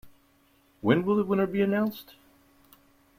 When will the winner be announced?